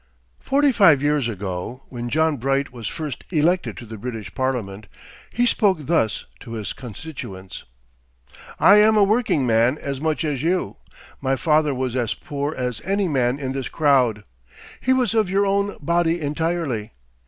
Forty five years ago, when John Bright was first elected to the British Parliament, he spoke thus to his constituents: "I am a working man as much as you. My father was as poor as any man in this crowd. He was of your own body entirely.